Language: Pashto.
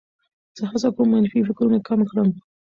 زه هڅه کوم منفي فکرونه کم کړم.